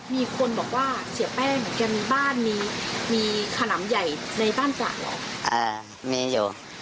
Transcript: มีคนบอกว่าเสียแป้งแกมีบ้านมีมีขนำใหญ่ในบ้านจากหรออ่ามีอยู่